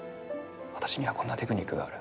「私にはこんなテクニックがある」